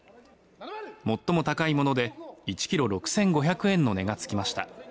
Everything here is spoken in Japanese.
最も高いもので１ｋｇ６５００円の値がつきました。